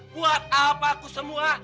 buat apa aku sembuh